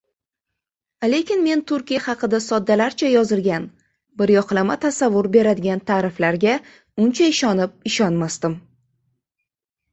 Lekin men Turkiya haqida soddalarcha yozilgan, biryoqlama tasavvur beradigan «ta’riflarga» uncha ishonib-ishonmasdim.